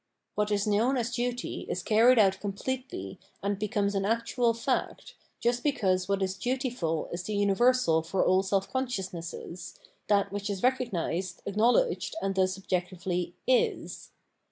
What is known as duty is carried out completely and becomes an actual fact, just because what is dutiful is the universal for all self consciousnesses, that which is recognised, acknow ledged, and thus objectively is.